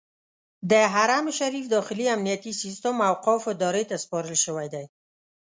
د حرم شریف داخلي امنیتي سیستم اوقافو ادارې ته سپارل شوی دی.